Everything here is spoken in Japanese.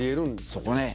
そこね。